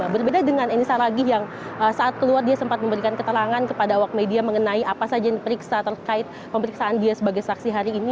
berbeda dengan eni saragih yang saat keluar dia sempat memberikan keterangan kepada awak media mengenai apa saja yang diperiksa terkait pemeriksaan dia sebagai saksi hari ini